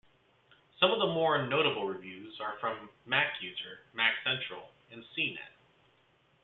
Some of the more notable reviews are from MacUser, MacCentral and cnet.